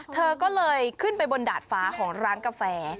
เธอก็เลยขึ้นไปบนดาดฟ้าของร้านกาแฟ